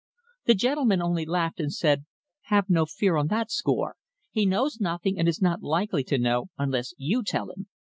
The gentleman only laughed and said, 'Have no fear on that score. He knows nothing, and is not likely to know, unless you tell him.'